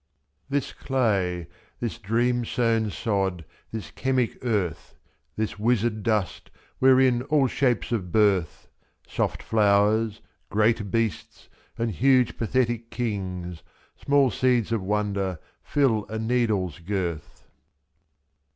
This clay, this dream sown sod, this chemic earth. This wizard dust, wherein all shapes of birth, — is iy Soft flowers, great beasts, and huge pathetic kings, — Small seeds of wonder, fill a needle's girth.